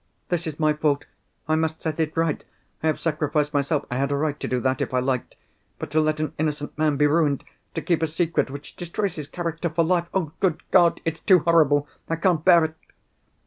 "This is my fault! I must set it right. I have sacrificed myself—I had a right to do that, if I liked. But to let an innocent man be ruined; to keep a secret which destroys his character for life—Oh, good God, it's too horrible! I can't bear it!"